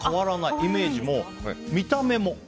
イメージも見た目も。